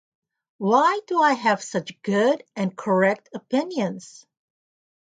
Why do I have such good and correct opinions?